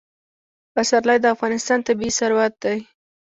پسرلی د افغانستان طبعي ثروت دی.